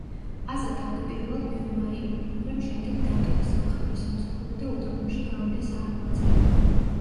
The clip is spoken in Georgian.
აზა თავდაპირველად მეომარი იყო, მაგრამ შემდეგ დატოვა სამხედრო სამსახური და უდაბნოში გავიდა სამოღვაწეოდ.